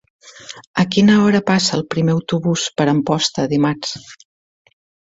A quina hora passa el primer autobús per Amposta dimarts?